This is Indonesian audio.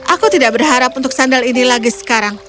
aku tidak berharap untuk sandal ini lagi sekarang